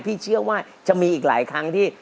พี่เชื่อว่าจะมีอีกหลายครั้งที่